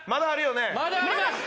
まだあります。